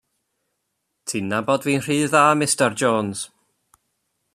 Ti'n nabod fi'n rhy dda Mistar Jones.